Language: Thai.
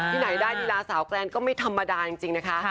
ที่ไหนได้ลีลาสาวแกรนก็ไม่ธรรมดาจริงนะคะ